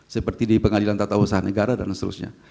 seperti di pengadilan tata usaha negara dan seterusnya